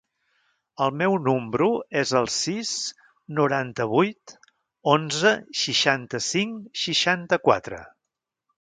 El meu número es el sis, noranta-vuit, onze, seixanta-cinc, seixanta-quatre.